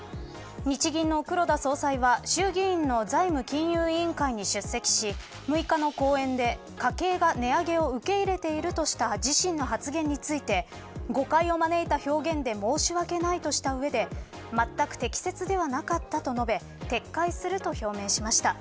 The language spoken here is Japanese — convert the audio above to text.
日銀の黒田総裁は、衆議院の財務金融委員会に出席し６日の講演で家計が値上げを受け入れているとした自身の発言について誤解を招いた表現で申し訳ないとした上でまったく適切ではなかったと述べ撤回すると表明しました。